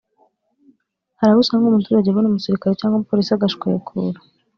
Hari aho usanga umuturage abona umusirikare cyangwa umupolisi agashwekura